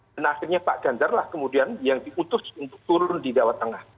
dan akhirnya pak gajar lah kemudian yang diutuhkan